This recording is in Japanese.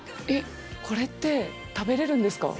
これって食べれるんですか？